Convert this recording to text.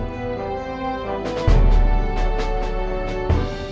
รับหัว